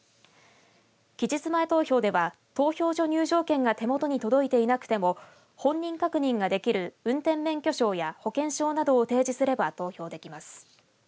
期日前投票では投票所入場券が手元に届いていなくても本人確認ができる運転免許証や保険証などを提示すれば投票できます。